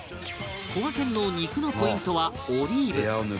こがけんの肉のポイントはオリーブ